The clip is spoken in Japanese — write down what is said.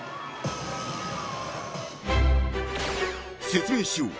［説明しよう